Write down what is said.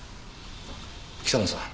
北野さん。